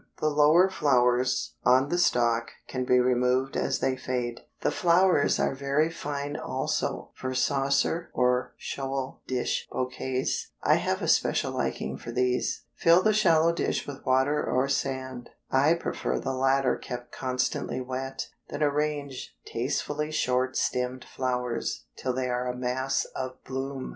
The lower flowers on the stalk can be removed as they fade. The flowers are very fine also for saucer or shoal dish bouquets. I have a special liking for these. Fill the shallow dish with water or sand I prefer the latter kept constantly wet then arrange tastefully short stemmed flowers till they are a mass of bloom.